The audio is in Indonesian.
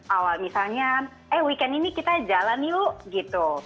awal misalnya eh weekend ini kita jalan yuk gitu